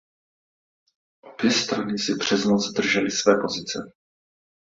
Obě strany si přes noc držely své pozice.